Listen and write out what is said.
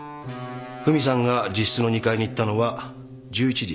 フミさんが自室の２階に行ったのは１１時１０分。